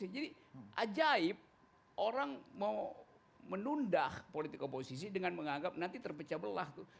jadi ajaib orang mau menundah politik oposisi dengan menganggap nanti terpecah belah tuh